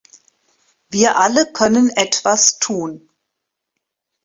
Wir alle können etwas tun.